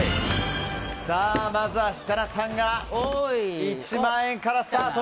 まずは設楽さんが１万円からスタート。